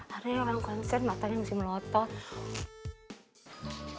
aduh orang konsen matanya masih melotot